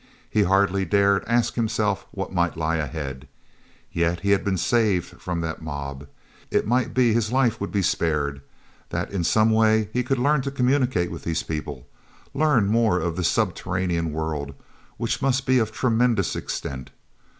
He hardly dared ask himself what might lie ahead. Yet he had been saved from that mob; it might be his life would be spared, that in some way he could learn to communicate with these people, learn more of this subterranean world—which must be of tremendous extent.